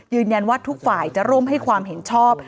ว่าทุกฝ่ายจะร่วมให้ความเห็นชอบ